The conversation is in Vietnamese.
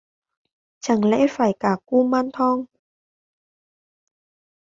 Chẳng lẽ phải cả kumanthong